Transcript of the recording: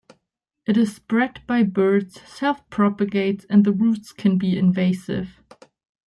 It is spread by birds, self-propagates and the roots can be invasive.